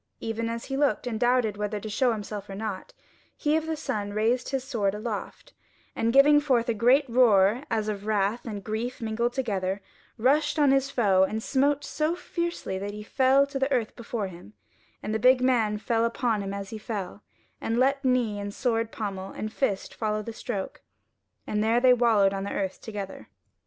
Even as he looked and doubted whether to show himself or not, he of the sun raised his sword aloft, and giving forth a great roar as of wrath and grief mingled together, rushed on his foe and smote so fiercely that he fell to the earth before him, and the big man fell upon him as he fell, and let knee and sword pommel and fist follow the stroke, and there they wallowed on the earth together.